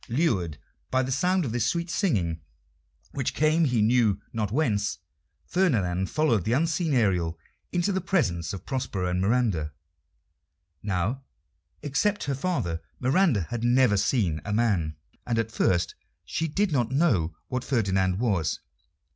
Lured by the sound of this sweet singing, which came he knew not whence, Ferdinand followed the unseen Ariel into the presence of Prospero and Miranda. Now, excepting her father, Miranda had never seen a man, and at first she did not know what Ferdinand was.